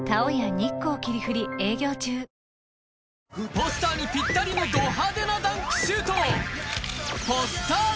ポスターにぴったりのど派手なダンクシュート